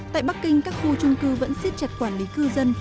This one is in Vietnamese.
tại bắc kinh các khu trung cư vẫn xiết chặt quản lý cư dân